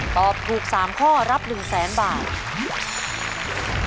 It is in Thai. ตอบถูก๓ข้อรับ๑๐๐๐๐๐บาท